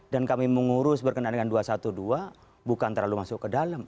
dan kami mengurus berkenaan dengan dua ratus dua belas bukan terlalu masuk ke dalam